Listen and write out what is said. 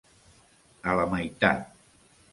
A la meitat.